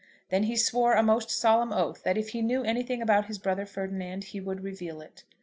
Then he swore a most solemn oath that if he knew anything about his brother Ferdinand he would reveal it.